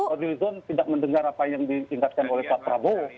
audilizon tidak mendengar apa yang diingatkan oleh pak prabowo